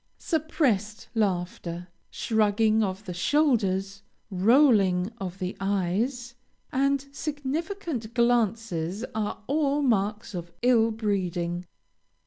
Suppressed laughter, shrugging of the shoulders, rolling of the eyes, and significant glances are all marks of ill breeding.